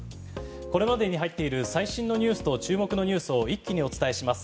これまでに入っている最新ニュースと注目ニュースを一気にお伝えします。